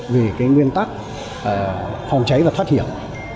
về cái nguyên tắc phòng cháy và thoát hiểm